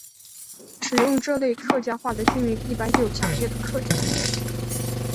使用这类客家话的居民一般具有强烈的客家意识。